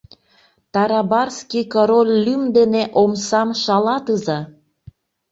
— Тарабарский король лӱм дене омсам шалатыза!